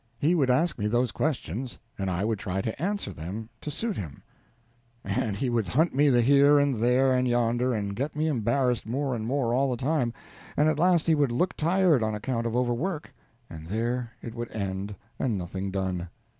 He would ask me those questions, and I would try to answer them to suit him, and he would hunt me here and there and yonder and get me embarrassed more and more all the time, and at last he would look tired on account of overwork, and there it would end and nothing done.